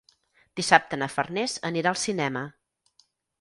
Dissabte na Farners anirà al cinema.